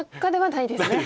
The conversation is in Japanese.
ないです。